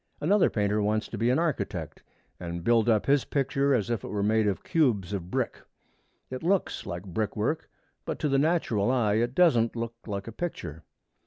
Another painter wants to be an architect and build up his picture as if it were made of cubes of brick. It looks like brick work, but to the natural eye it doesn't look like a picture.